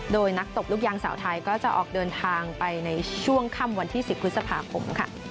โดยนักตบลูกยางสาวไทยก็จะออกเดินทางไปในช่วงค่ำวันที่๑๐พฤษภาคมค่ะ